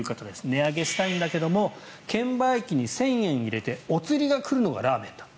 値上げしたいんだけども券売機に１０００円入れてお釣りが来るのがラーメンだ。